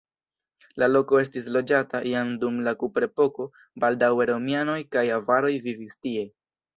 La loko estis loĝata jam dum la kuprepoko, baldaŭe romianoj kaj avaroj vivis tie.